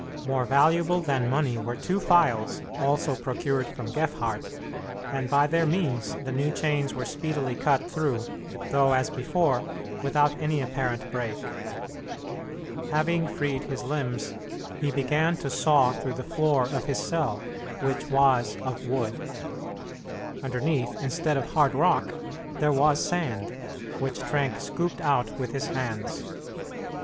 More valuable than money were two files, also procured from Gefhardt, and by their means the new chains were speedily cut through, though, as before, without any apparent break. Having freed his limbs, he began to saw through the floor of his cell, which was of wood. Underneath, instead of hard rock, there was sand, which Trenck scooped out with his hands.